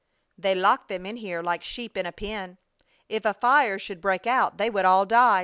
"They lock them in here like sheep in a pen. If a fire should break out they would all die!"